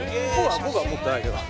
僕は持ってないけど。